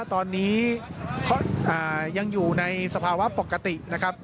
ตอนนี้ยังอยู่ในสภาวะปกตินะครับ